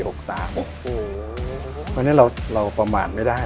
เพราะฉะนั้นเราประมาณไม่ได้